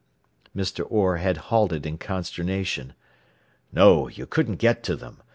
Mr. Orr had halted in consternation. "No; you couldn't get to them.